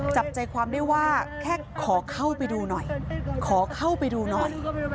จับใจความได้ว่าแค่ขอเข้าไปดูหน่อยขอเข้าไปดูหน่อย